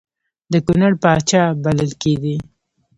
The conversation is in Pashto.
د کنړ پاچا بلل کېدی.